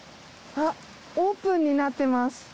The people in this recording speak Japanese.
あっオープンになってます。